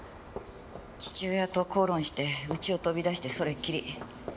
父親と口論して家を飛び出してそれっきり。